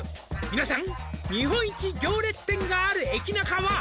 「皆さん日本一行列店がある駅ナカは」